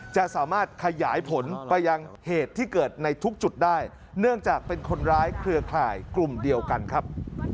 จะสามารถขยายผลไปยังเหตุที่เกิดในทุกจุดได้เนื่องจากเป็นคนร้ายเครือข่ายกลุ่มเดียวกันครับ